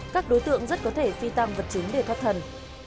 các đối tượng rất có thể phi tăng vật chính để thoát thần